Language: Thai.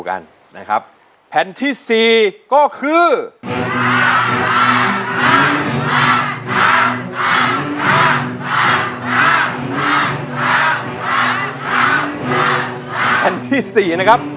ขอบคุณเรูกภาษานมหาที่สิบทางที่สี่